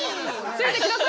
◆ついてきなさい。